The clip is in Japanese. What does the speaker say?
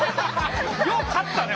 よう勝ったね